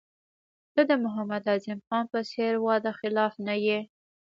ته د محمد اعظم خان په څېر وعده خلاف نه یې.